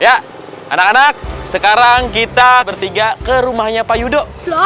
ya anak anak sekarang kita bertiga ke rumahnya pak yudo